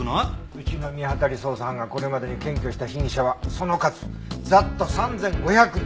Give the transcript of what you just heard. うちの見当たり捜査班がこれまでに検挙した被疑者はその数ざっと３５００人。